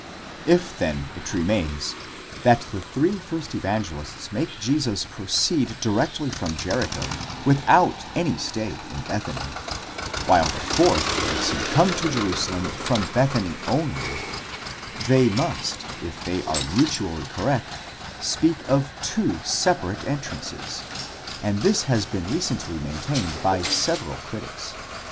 If then it remains, that the three first Evangelists make Jesus proceed directly from Jericho, without any stay in Bethany, while the fourth makes him come to Jerusalem from Bethany only, they must, if they are mutually correct, speak of two separate entrances; and this has been recently main tained by several critics.